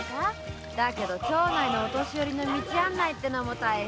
だけど町内のお年寄りの道案内も大変。